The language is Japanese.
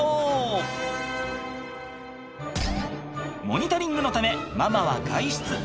モニタリングのためママは外出。